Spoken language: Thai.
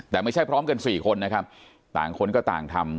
แต่ไม่ใช่พร้อมกัน๔คนนะครับต่างคนก็ต่างทำ